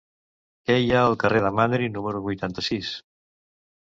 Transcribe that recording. Què hi ha al carrer de Mandri número vuitanta-sis?